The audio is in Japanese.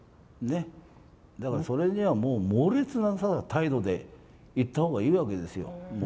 だから、それには猛烈な態度でいったほうがいいわけですよ。